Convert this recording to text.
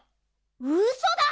うそだ！